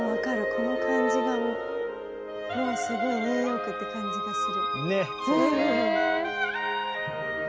この感じがもうすごいニューヨークって感じがする。